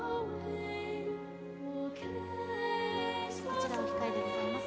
こちらお控えでございます。